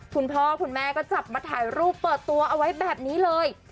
คุณพ่อคุณแม่ก็จับมาถ่ายรูปเปิดตัวเอาไว้แบบนี้เลย